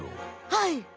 はい。